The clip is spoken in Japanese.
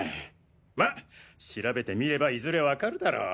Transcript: ま調べてみればいずれわかるだろ。